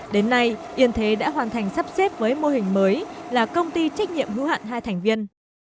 đến nay yên thế đã hoàn thành sắp xếp với mô hình mới là công ty trách nhiệm hữu hạn hai thành viên